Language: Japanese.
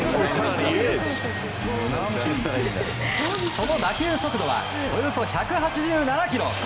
その打球速度はおよそ１８７キロ。